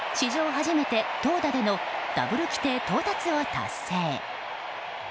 初めて投打でのダブル規定到達を達成。